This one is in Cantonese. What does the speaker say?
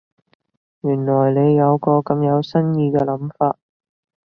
原來你有個咁有新意嘅諗法